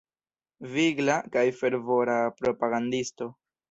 Vigla kaj fervora propagandisto.